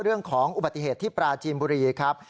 เรื่องของอุบัติเหตุที่ปราจีนบุรีครับ